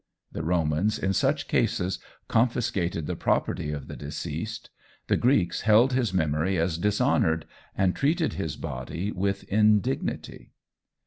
The Romans in such cases confiscated the property of the deceased; the Greeks held his memory as dishonoured, and treated his body with indignity.